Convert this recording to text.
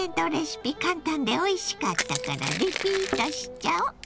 簡単でおいしかったからリピートしちゃお！